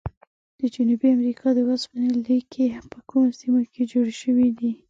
د جنوبي امریکا د اوسپنې لیکي په کومو سیمو کې جوړې شوي دي؟